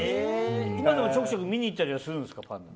今でも、ちょくちょく見に行ったりするんですか？